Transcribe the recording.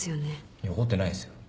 いや怒ってないですよ。